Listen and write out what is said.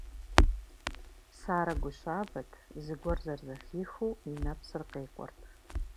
Сарэ гу щабэт, зыгуэр зэрызэхихыу и нэпсыр къекӏуэрт.